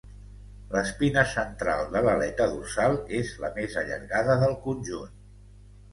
L'espina central de l'aleta dorsal és la més allargada del conjunt.